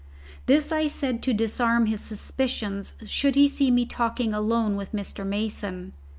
This I said to disarm his suspicions should he see me talking alone with Mr. Mason.